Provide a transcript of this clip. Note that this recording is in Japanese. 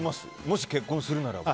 もし結婚するならば。